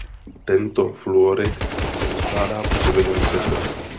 Tento fluorid se rozkládá působením světla.